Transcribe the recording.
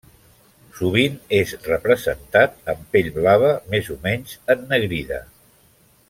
Sovint és representat amb pell blava més o menys ennegrida.